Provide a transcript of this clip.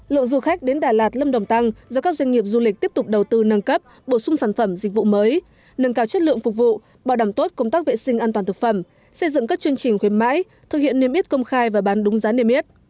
lượng du khách đến đà lạt lâm đồng tăng do các doanh nghiệp du lịch tiếp tục đầu tư nâng cấp bổ sung sản phẩm dịch vụ mới nâng cao chất lượng phục vụ bảo đảm tốt công tác vệ sinh an toàn thực phẩm xây dựng các chương trình khuyến mãi thực hiện niêm yết công khai và bán đúng giá niêm yết